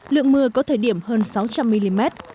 lượng mưa có thời điểm hơn sáu trăm linh mm